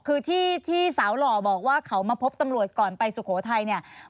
คือที่สาวหล่อบอกว่าเขามาพบตำรวจก่อนไปสุโขทัยเนี่ย